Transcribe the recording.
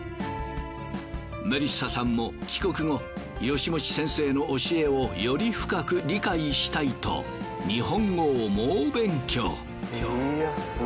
メリッサさんも帰国後吉用先生の教えをより深く理解したいと日本語を猛勉強。